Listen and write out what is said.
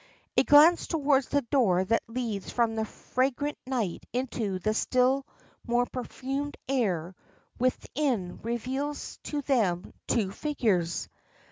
A glance towards the door that leads from the fragrant night into the still more perfumed air within reveals to them two figures.